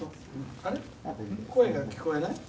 声が聞こえない？